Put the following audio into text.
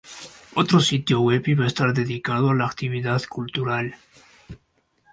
Otro sitio web iba a estar dedicado a la actividad cultural.